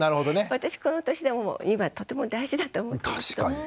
私この年でも今とても大事だと思ってますけど。